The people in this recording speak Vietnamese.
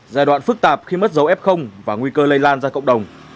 giai đoạn phức tạp khi mất dấu f và nguy cơ lây lan ra cộng đồng